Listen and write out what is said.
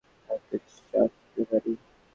একটু চাটতে পারি?